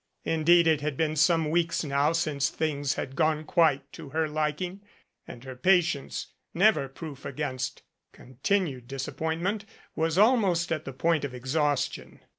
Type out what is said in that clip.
Indeed it had been some weeks now since things had gone quite to her liking, and her patience, never proof against continued disappointment, was al most at the point of exhaustion.